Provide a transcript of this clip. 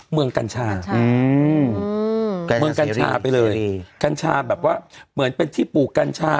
กัญชาอืมเมืองกัญชาไปเลยกัญชาแบบว่าเหมือนเป็นที่ปลูกกัญชา